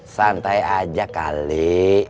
santai aja kali